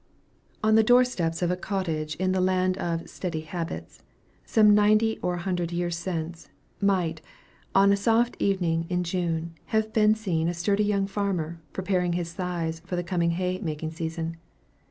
On the door steps of a cottage in the land of "steady habits," some ninety or an hundred years since, might, on a soft evening in June, have been seen a sturdy young farmer, preparing his scythes for the coming hay making season.